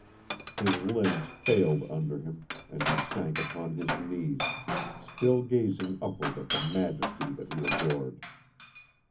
His limbs failed under him, and he sank upon his knees, still gazing upward at the majesty that he adored.